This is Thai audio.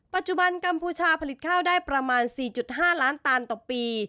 กัมพูชาผลิตข้าวได้ประมาณ๔๕ล้านตันต่อปี